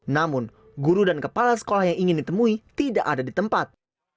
namun guru dan kepala sekolah yang ingin ditemui tidak ada di tempat